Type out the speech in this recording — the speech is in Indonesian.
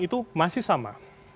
itu masih sama